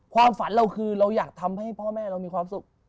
ความฝันเราคือเราอยากทำให้พ่อแม่เรามีความสุข